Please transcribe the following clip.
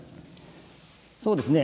そうですね。